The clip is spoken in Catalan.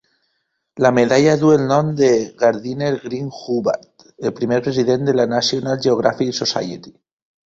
La medalla duu el nom de Gardiner Green Hubbard, el primer president de la National Geographic Society.